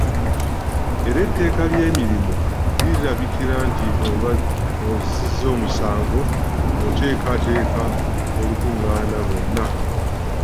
Era etteeka lyerimu likirambika nti oba ozizza musango okuteekateeka olukungaana lwonna.